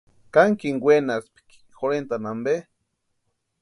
¿Kankini wenaspki jorhentani ampe?